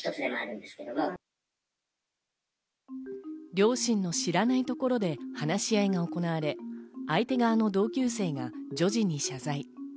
両親の知らないところで話し合いが行われ、相手側の同級生が女児に謝罪。